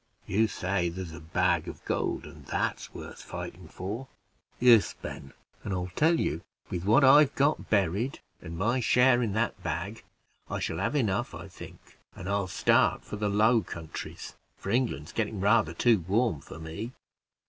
You say there's a bag of gold, and that's worth fighting for." "Yes, Ben, and I'll tell you: with what I've got buried, and my share of that bag, I shall have enough, I think; and I'll start for the Low Countries, for England's getting rather too warm for me."